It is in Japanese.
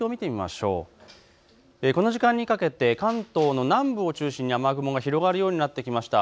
この時間にかけて関東の南部を中心に雨雲が広がるようになってきました。